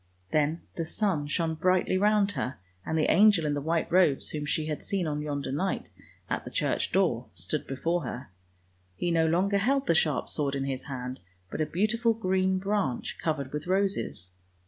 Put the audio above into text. " Then the sun shone brightly round her, and the angel in the white robes whom she had seen on yonder night, at the church door, stood before her. He no longer held the sharp sword in his hand, but a beautiful green branch, covered with roses.